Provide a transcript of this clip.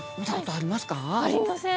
ありません！